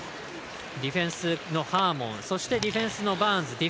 ディフェンスのハーモンそしてディフェンスのバーンズ。